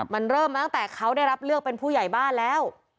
มันเริ่มมาตั้งแต่เขาได้รับเลือกเป็นผู้ใหญ่บ้านแล้ว